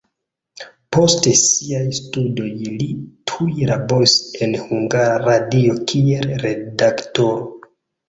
Post siaj studoj li tuj laboris en Hungara Radio kiel redaktoro.